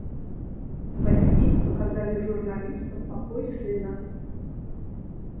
Бацькі паказалі журналістам пакой сына.